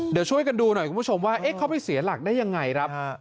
เดี๋ยวช่วยกันดูหน่อยคุณผู้ชมว่าเขาไปเสียหลักได้ยังไงครับ